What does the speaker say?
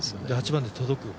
８番で届く？